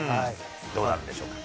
どうなんでしょうか。